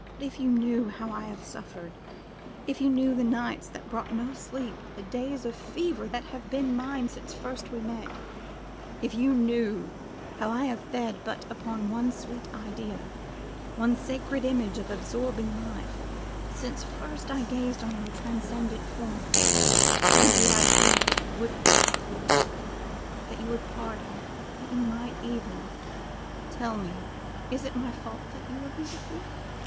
If you but knew how I have suffered, if you but knew the nights that brought no sleep, the days of fever that have been mine since first we met, if you but knew how I have fed but upon one sweet idea, one sacred image of absorbing life, since first I gazed on your transcendent form, indeed I think that you would pity, that you would pardon, that you might even 'Tell me, is it my fault that you are beautiful!